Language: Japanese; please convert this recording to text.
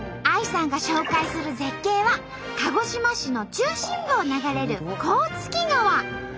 ＡＩさんが紹介する絶景は鹿児島市の中心部を流れる甲突川。